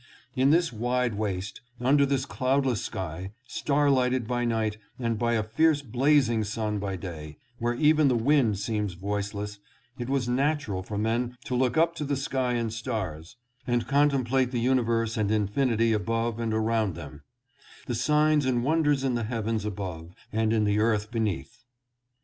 In this wide waste, under this cloudless sky, star lighted by night and by a fierce blazing sun by day, where even the wind seems voiceless, it was natural for men to look up to the sky and stars and contemplate the universe and infinity above and around them; the signs and wonders in the heavens above and in the earth beneath.